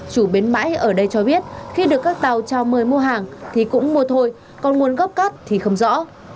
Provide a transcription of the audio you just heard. chủ bến bãi ở đây cho biết khi được các tàu trao mời mua hàng thì cũng mua thôi còn nguồn gốc cát thì không rõ